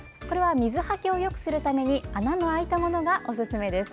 水はけをよくするために穴の開いたものがおすすめです。